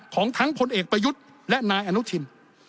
ของทั้งพลเอกประยุทธ์และนายอนุทิน